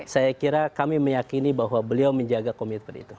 saya kira kami meyakini bahwa beliau menjaga komitmen itu